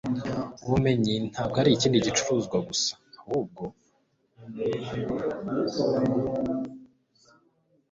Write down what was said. ubumenyi ntabwo ari ikindi gicuruzwa gusa. ahubwo